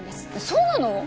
そうなの！？